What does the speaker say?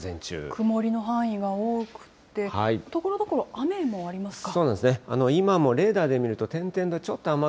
曇りの範囲が多くて、ところどころ、雨もありますか。